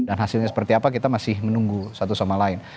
dan hasilnya seperti apa kita masih menunggu satu sama lain